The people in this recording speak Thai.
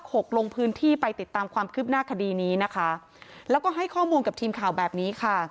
เลยยังลงพื้นที่ไปติดตามความคึบหน้าคดีและค่อมูลแบบนี้